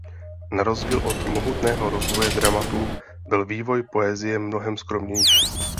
Na rozdíl od mohutného rozvoje dramatu byl vývoj poezie mnohem skromnější.